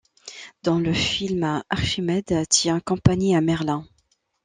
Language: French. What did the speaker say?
Dans le film, Archimède tient compagnie à Merlin.